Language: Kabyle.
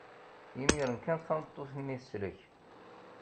Imiren kan tameṭṭut-nni teslek.